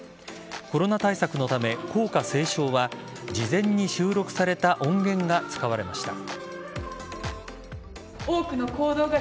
コロナ対策のため校歌斉唱は事前に収録された音源が使われました。